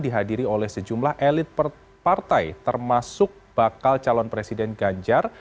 dihadiri oleh sejumlah elit partai termasuk bakal calon presiden ganjar